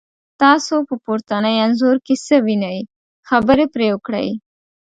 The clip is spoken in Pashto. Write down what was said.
تاسو په پورتني انځور کې څه وینی، خبرې پرې وکړئ؟